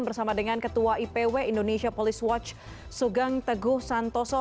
bersama dengan ketua ipw indonesia police watch sugeng teguh santoso